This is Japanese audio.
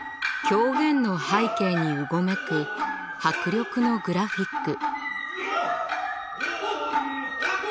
狂言の背景にうごめく迫力のグラフィック。